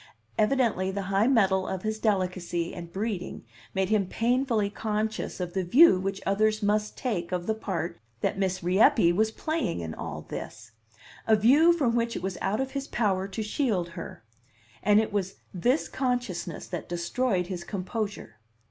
Evidently the high mettle of his delicacy and breeding made him painfully conscious of the view which others must take of the part that Miss Rieppe was playing in all this a view from which it was out of his power to shield her; and it was this consciousness that destroyed his composure.